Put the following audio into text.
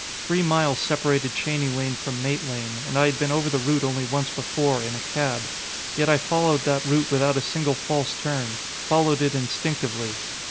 Three miles separated Cheney Lane from Mate Lane, and I had been over the route only once before, in a cab. Yet I followed that route without a single false turn, followed it instinctively.